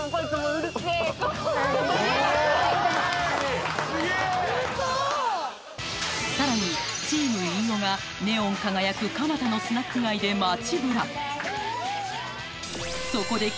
うそさらにチーム飯尾がネオン輝く蒲田のスナック街で街ブラそこでえーっ